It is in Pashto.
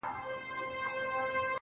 پر وجود څه ډول حالت وو اروا څه ډول وه.